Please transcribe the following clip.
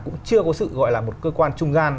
cũng chưa có sự gọi là một cơ quan trung gian